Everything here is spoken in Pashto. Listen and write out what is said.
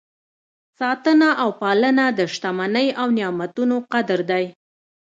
ساتنه او پالنه د شتمنۍ او نعمتونو قدر دی.